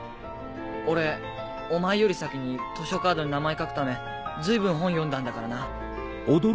俺お前より先に図書カードに名前書くため随分本読んだんだからな。